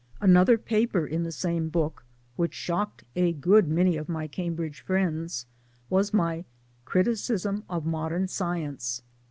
Another paper in the same book, which shocked a good many of my Cambridge friends, was my " Criticism of Modern Science."